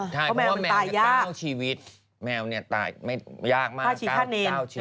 เพราะแมวมันตายยากเพราะแมวตายกล้าวชีวิต